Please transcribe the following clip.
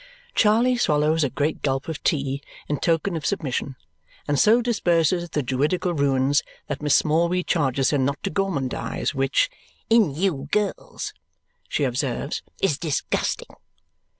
Charley swallows a great gulp of tea in token of submission and so disperses the Druidical ruins that Miss Smallweed charges her not to gormandize, which "in you girls," she observes, is disgusting.